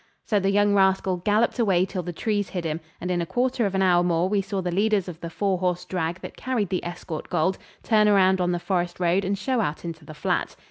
So the young rascal galloped away till the trees hid him, and in a quarter of an hour more we saw the leaders of the four horse drag that carried the escort gold turn round on the forest road and show out into the flat.